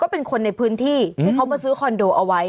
เป็นคนในพื้นที่ที่เขามาซื้อคอนโดเอาไว้